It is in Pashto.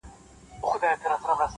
• زه په تنهايي کي لاهم سور یمه,